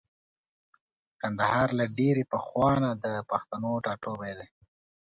کندهار له ډېرې پخوانه د پښتنو ټاټوبی دی.